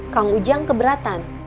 kang ujang keberatan